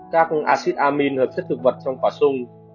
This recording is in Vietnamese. các acid amin hợp chất thực vật trong quả sung